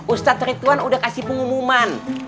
ustadz ridwan udah kasih pengumuman